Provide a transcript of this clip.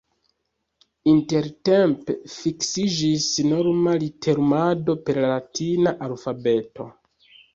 Intertempe fiksiĝis norma literumado per la latina alfabeto.